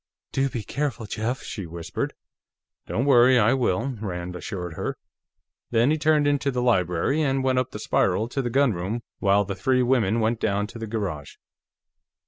"Do be careful, Jeff," she whispered. "Don't worry; I will," Rand assured her. Then he turned into the library and went up the spiral to the gunroom, while the three women went down to the garage.